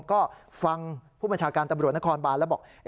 ก็ฟังผู้บัญชาการตำรวจนครบานแล้วบอก